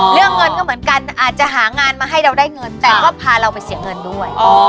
เรื่องเงินก็เหมือนกันอาจจะหางานมาให้เราได้เงินแต่ก็พาเราไปเสียเงินด้วย